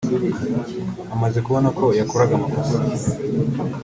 amaze kubona ko yakoraga amakosa